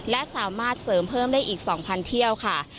และสามารถเสริมเพิ่มได้อีก๒๐๐เที่ยวค่ะ